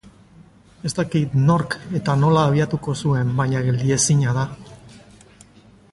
Ez dakit nork eta nola abiatuko zuen baina geldiezina da.